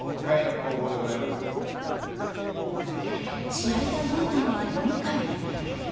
試合が動いたのは４回。